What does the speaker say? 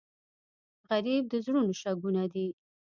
غریب د زړونو شګونه دی